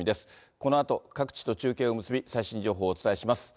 このあと、各地と中継を結び、最新情報をお伝えします。